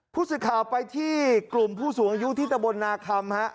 ผู้ศึกฐาไปที่กลุ่มผู้สูงอายุที่ตบนนาคมฮะ